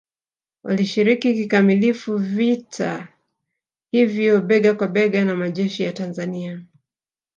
Walishiriki kikamilifu vita hivyo bega kwa bega na majeshi ya Tanzania